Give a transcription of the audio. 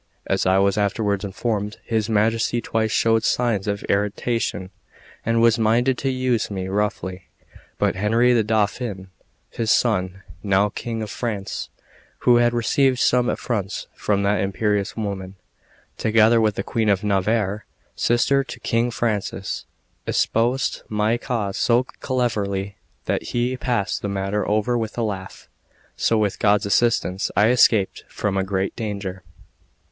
As I was afterwards informed, his Majesty twice showed signs of irritation and was minded to use me roughly: but Henry the Dauphin, his son, now King of France, who had received some affronts from that imperious woman, together with the Queen of Navarre, sister to King Francis, espoused my cause so cleverly that he passed the matter over with a laugh. So with God's assistance I escaped from a great danger.